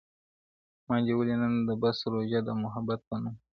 o ما نیولې نن ده بس روژه د محبت په نوم,